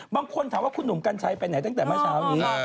บางคนถามว่าคุณหนุ่มกัญชัยไปไหนตั้งแต่เมื่อเช้านี้